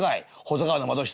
細川の窓下」。